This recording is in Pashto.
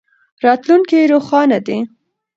راتلونکی روښانه دی.